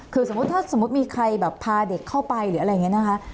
คือสมมุติถ้าสมมุติมีใครแบบพาเด็กเข้าไปหรืออะไรอย่างนี้นะคะ